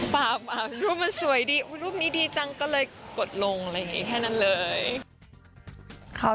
พี่เราก็คิดถึงเขา